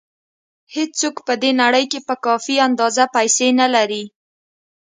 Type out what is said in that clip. هېڅوک په دې نړۍ کې په کافي اندازه پیسې نه لري.